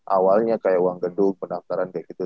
awalnya kayak uang gedung pendaftaran kayak gitu